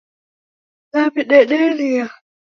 Nawidederia